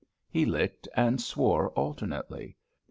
He licked and swore alternately.